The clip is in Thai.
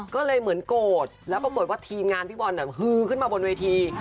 ก็เลยเหมือนโกรธแล้วปรากฏว่าทีมงานพี่บอลฮือขึ้นมาบนเวที